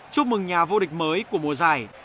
chúc mừng nhà vua địch mới của mùa giải